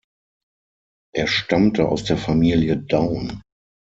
Er stammte aus der Familie Daun.